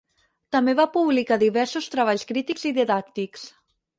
També va publicar diversos treballs crítics i didàctics.